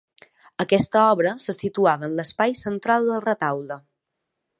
Aquesta obra se situava en l'espai central del retaule.